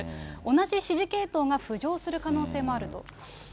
同じ指示系統が浮上する可能性もあると。